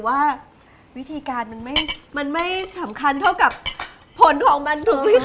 วิธีการมันไม่สำคัญโทษกับผลของมัน